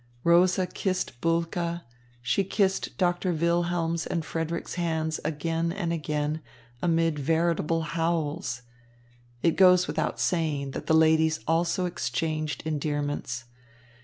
Rosa kissed Bulke; she kissed Doctor Wilhelm's and Frederick's hands again and again, amid veritable howls. It goes without saying that the ladies also exchanged endearments.